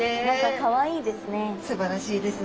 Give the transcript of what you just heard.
かわいいですね。